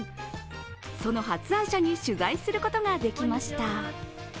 その発案者に取材することができました。